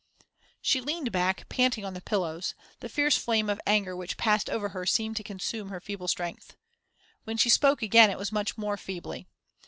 She leaned back panting on the pillows; the fierce flame of anger which passed over her seemed to consume her feeble strength. When she spoke again it was much more feebly.